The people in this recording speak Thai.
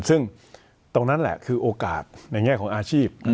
ซึ่งตรงนั้นแหละคือโอกาสในแง่ของอาชีพ